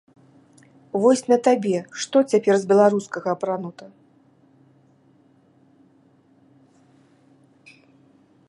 Вось на табе што цяпер з беларускага апранута?